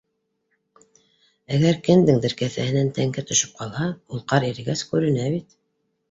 Әгәр кемдеңдер кеҫәһенән тәңкә төшөп ҡалһа, ул ҡар ирегәс күренә бит.